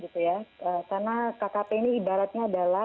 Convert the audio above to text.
karena kkp ini ibaratnya adalah